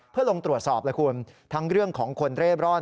เพื่อลงตรวจสอบแล้วคุณทั้งเรื่องของคนเร่ร่อน